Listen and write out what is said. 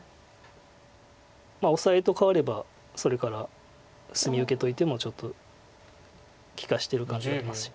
オサエと換わればそれから隅受けといてもちょっと利かしてる感じありますし。